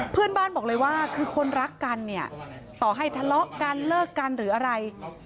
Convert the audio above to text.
เพื่อนบ้านบอกเลยว่าคือคนรักกันเนี่ยต่อให้ทะเลาะกันเลิกกันหรืออะไร